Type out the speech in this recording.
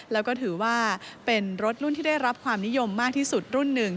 แล้วก็ถือว่าเป็นรถรุ่นที่ได้รับความนิยมมากที่สุดรุ่นหนึ่ง